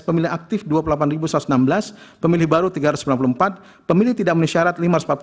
pemilih aktif dua puluh delapan satu ratus enam belas pemilih baru tiga ratus sembilan puluh empat pemilih tidak memiliki syarat lima ratus empat puluh